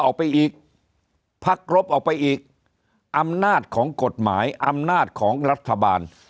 ออกไปอีกพักรบออกไปอีกอำนาจของกฎหมายอำนาจของรัฐบาล